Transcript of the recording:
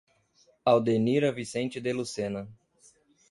Audenira Vicente de Lucena